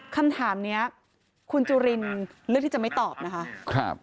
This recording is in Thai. คำถามนี้คุณจุลินเลือกที่จะไม่ตอบนะคะ